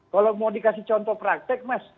kalau mau dikasih contoh praktek mas